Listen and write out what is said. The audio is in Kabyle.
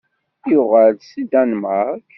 Yuɣal-d seg Danmark.